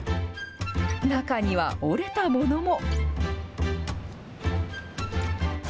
中には折れたものも。